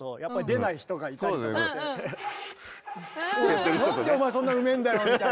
「なんでお前そんなうめえんだよ」みたいな。